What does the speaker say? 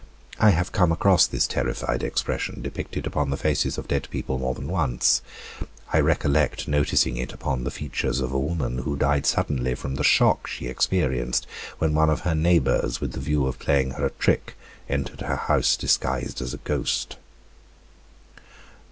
I have come across this terrified expression depicted upon the faces of dead people more than once. I recollect noticing it upon the features of a woman who died suddenly from the shock she experienced when one of her neighbors, with the view of playing her a trick, entered her house disguised as a ghost."